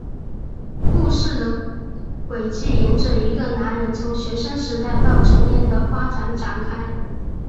故事的轨迹沿着一个男人从学生时代到成年的发展展开。